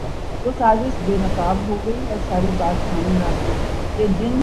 جس کا بجٹ زیربحث نہ لایا جا سکے